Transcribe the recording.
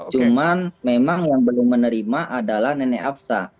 cuma memang yang belum menerima adalah nenek aksa